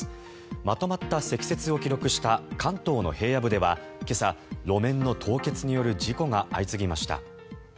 まとまった積雪を記録した関東の平野部では今朝、路面の凍結による事故が相次ぎました。